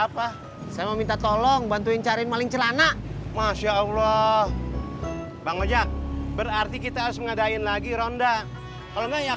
paling celana masya allah bang ojak berarti kita harus mengadain lagi ronda kalau nggak